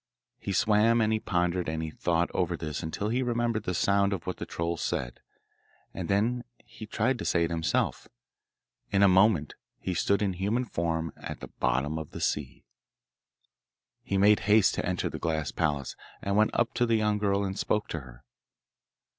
He swam and he pondered and he thought over this until he remembered the sound of what the troll said, and then he tried to say it himself. In a moment he stood in human form at the bottom of the sea. He made haste then to enter the glass palace, and went up to the young girl and spoke to her.